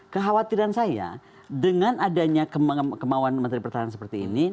kekhawatiran saya dengan adanya kemauan menteri pertahanan seperti ini